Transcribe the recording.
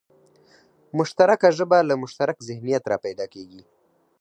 مشترکه ژبه له مشترک ذهنیت راپیدا کېږي